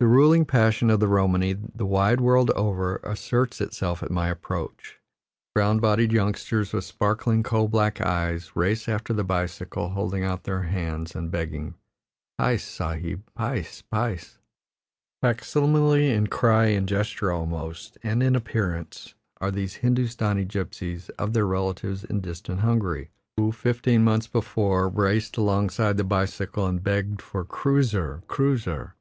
The ruling passion of the Romany, the wide world over, asserts itself at my approach; brown bodied youngsters with sparkling, coal black eyes race after the bicycle, holding out their hands and begging, "pice, sahib, pice, pice." Facsimile in cry and gesture almost, and in appearance, are these Hindostani gypsies of their relatives in distant Hungary, who, fifteen months before, raced alongside the bicycle, and begged for "kreuzer, kreuzer."